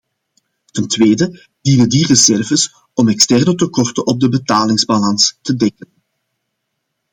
Ten tweede dienen die reserves om externe tekorten op de betalingsbalans te dekken.